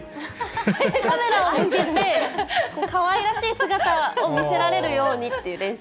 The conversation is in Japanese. カメラを向けて、かわいらしい姿を見せられるようにという練習。